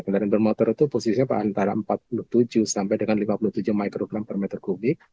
kendaraan bermotor itu posisinya antara empat puluh tujuh sampai dengan lima puluh tujuh mikrogram per meter kubik